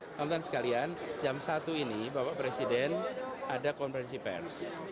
teman teman sekalian jam satu ini bapak presiden ada konferensi pers